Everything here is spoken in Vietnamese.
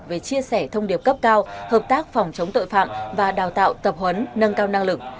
về chia sẻ thông điệp cấp cao hợp tác phòng chống tội phạm và đào tạo tập huấn nâng cao năng lực